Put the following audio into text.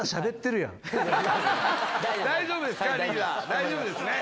大丈夫ですね？